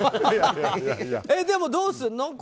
でもどうするの？